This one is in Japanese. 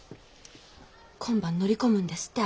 今晩乗り込むんですって相手の家へ。